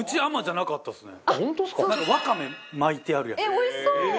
奈緒：おいしそう！